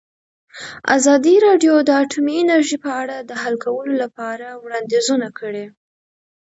ازادي راډیو د اټومي انرژي په اړه د حل کولو لپاره وړاندیزونه کړي.